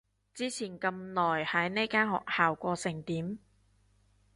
之前咁耐喺呢間學校過成點？